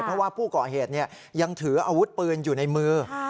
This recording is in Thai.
เพราะว่าผู้ก่อเหตุยังถืออาวุธปืนอยู่ในมือ